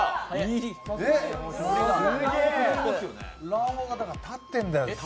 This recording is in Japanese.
卵黄が立ってんだよ。